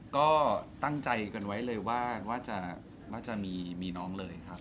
ก็ตั้งใจกันไว้เลยว่ามักจะมีน้องเลยครับ